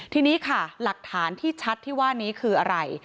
ทีนี้ค่ะหลักฐานที่ชัดที่ว่านี้คืออะไร